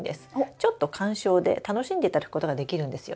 ちょっと観賞で楽しんでいただくことができるんですよ。